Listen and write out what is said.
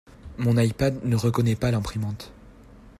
Mon ipad ne reconnaît pas l'imprimante.